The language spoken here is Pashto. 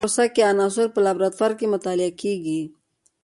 په دې پروسه کې عناصر په لابراتوار کې مطالعه کیږي.